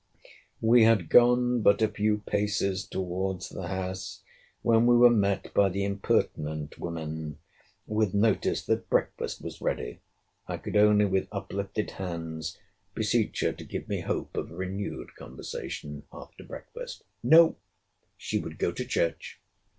We had gone but a few paces towards the house, when we were met by the impertinent women, with notice, that breakfast was ready. I could only, with uplifted hands, beseech her to give me hope of a renewed conversation after breakfast. No—she would go to church.